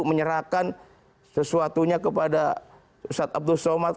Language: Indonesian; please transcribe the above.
menyerahkan sesuatunya kepada ustadz abdul somad